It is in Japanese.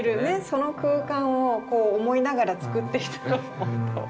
その空間を思いながら作ってきたと思うと。